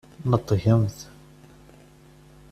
Neṭgemt!